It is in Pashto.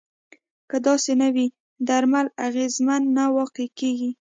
که داسې نه وي درملنه اغیزمنه نه واقع کیږي.